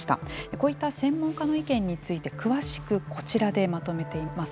こういった専門家の意見について詳しくはこちらでまとめています。